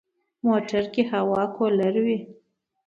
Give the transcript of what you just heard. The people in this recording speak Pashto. موټر کې هوا کولر وي.